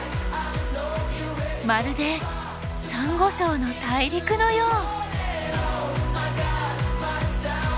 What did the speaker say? まるでサンゴ礁の大陸のよう！